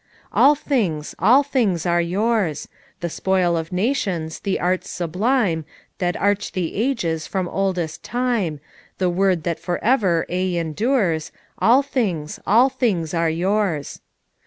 "All things, all things are yours I The spoil of nations, the arts sublime That arch the ages from oldest time, The word that for aye endures, All things, all things arc yours.